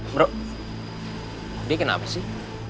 bro dia kenapa sih